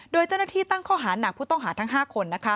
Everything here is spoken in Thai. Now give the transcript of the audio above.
โดยเจ้าหน้าที่ตั้งข้อหาหนักผู้ต้องหาทั้ง๕คน